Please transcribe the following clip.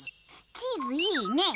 チーズいいね！